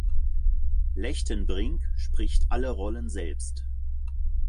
Lechtenbrink spricht alle Rollen selbst.